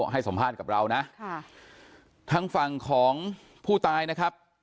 ให้สัมภาษณ์กับเรานะค่ะทางฝั่งของผู้ตายนะครับ